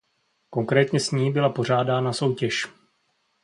Konkrétně s ní byla pořádána soutěž.